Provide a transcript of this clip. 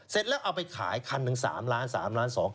เสร็จแล้วเอาไปขายคันหนึ่ง๓ล้าน๓ล้าน๒